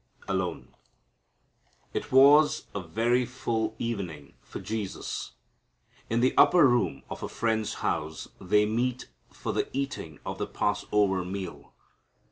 Alone. It was a very full evening for Jesus. In the upper room of a friend's house they meet for the eating of the Passover meal.